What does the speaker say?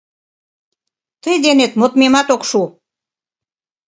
Тый денет модмемат ок шу...